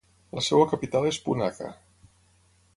La seva capital és Punakha.